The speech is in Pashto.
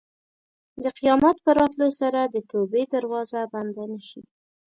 د قیامت په راتلو سره د توبې دروازه بنده نه شي.